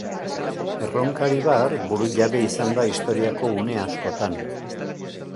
Erronkaribar burujabe izan da historiako une askotan.